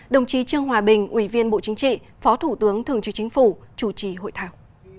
đồng chí trương hòa bình ủy viên bộ chính trị phó thủ tướng thường trực chính phủ chủ trì hội thảo